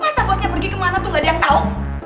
masa bosnya pergi kemana tuh gak ada yang tahu